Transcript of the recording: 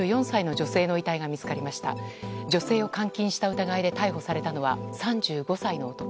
女性を監禁した疑いで逮捕されたのは３５歳の男。